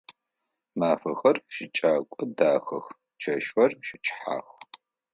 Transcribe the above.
Мафэхэр щыкӏэко дэдэх, чэщхэр щыкӏыхьэх.